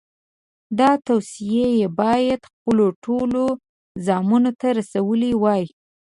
دا توصیې یې باید خپلو ټولو زامنو ته رسولې وای.